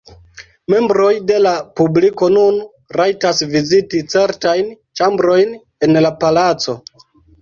Membroj de la publiko nun rajtas viziti certajn ĉambrojn en la palaco.